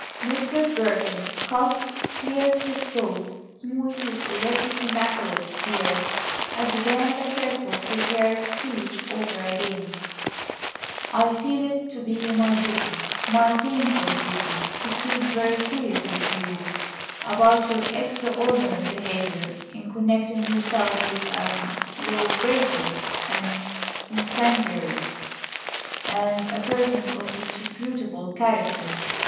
Mr. Burton coughed, cleared his throat, smoothed his already immaculate beard, and began the carefully prepared speech over again: "I feel it to be my duty my painful duty to speak very seriously to you about your extraordinary behaviour in connecting yourself with a law breakers and incendiaries and a persons of disreputable character.